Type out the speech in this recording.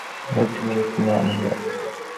আমি টিউবিং কিনে আনবো।